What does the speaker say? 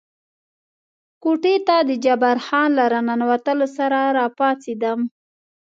کوټې ته د جبار خان له را ننوتلو سره را پاڅېدم.